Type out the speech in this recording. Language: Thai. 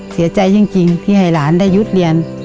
เสียใจจริงที่ให้หลานได้หยุดเรียน